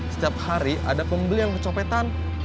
setiap hari ada pembeli yang kecopetan